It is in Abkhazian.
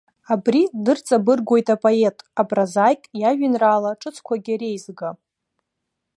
Абри дырҵабыргуеит апоет, апрозаик иажәеинраала ҿыцқәагьы реизга.